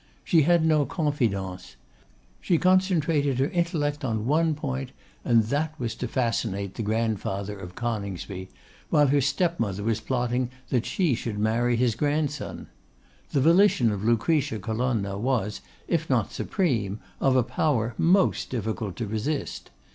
She had no confidants. She concentrated her intellect on one point, and that was to fascinate the grandfather of Coningsby, while her step mother was plotting that she should marry his grandson. The volition of Lucretia Colonna was, if not supreme, of a power most difficult to resist.